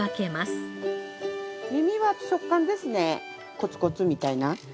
コツコツみたいな。